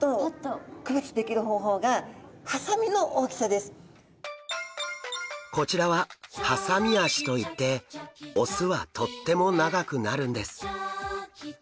実はこちらはハサミ脚といって雄はとっても長くなるんです。